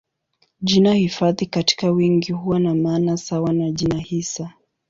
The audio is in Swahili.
Jina hifadhi katika wingi huwa na maana sawa na jina hisa.